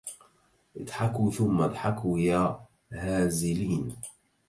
اضحكوا ثم اضحكوا يا هازلين